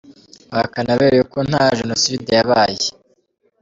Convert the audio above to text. Bahakana beruye ko nta Jenoside yabaye.